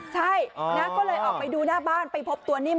ใช่นะก็เลยออกไปดูหน้าบ้านไปพบตัวนิ่ม